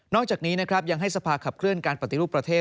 อกจากนี้นะครับยังให้สภาขับเคลื่อนการปฏิรูปประเทศ